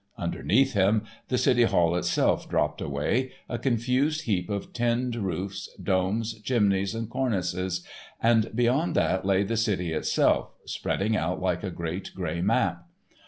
Underneath him, the City Hall itself dropped away, a confused heap of tinned roofs, domes, chimneys, and cornices, and beyond that lay the city itself spreading out like a great gray map.